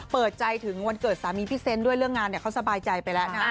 เปิดใจถึงวันเกิดสามีพี่เซนต์ด้วยเรื่องงานเขาสบายใจไปแล้วนะ